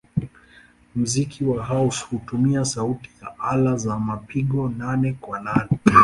Muziki wa house hutumia sauti ya ala za mapigo nane-kwa-nane.